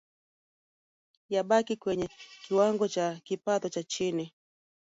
Yabakia kwenye kiwango cha kipato cha chini